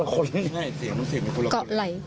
ก็เหล่า